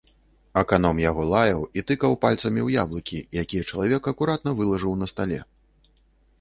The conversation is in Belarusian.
Аканом яго лаяў і тыкаў пальцамі ў яблыкі, якія чалавек акуратна вылажыў на стале.